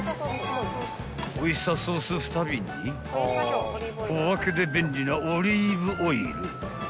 ［オイスターソース２瓶に小分けで便利なオリーブオイル］